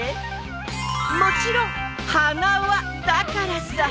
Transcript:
もちろんハナワだからさ。